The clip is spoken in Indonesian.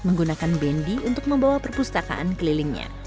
menggunakan bendi untuk membawa perpustakaan kelilingnya